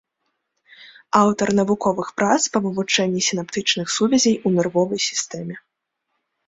Аўтар навуковых прац па вывучэнні сінаптычных сувязей у нервовай сістэме.